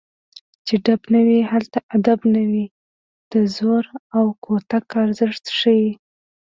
چې ډب نه وي هلته ادب نه وي د زور او کوتک ارزښت ښيي